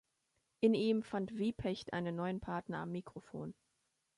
In ihm fand Wieprecht einen neuen Partner am Mikrofon.